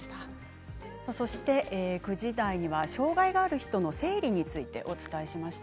９時台には障害のある人の生理についてお伝えしました。